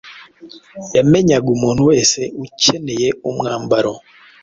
Yamenyaga umuntu wese ukeneye umwambaro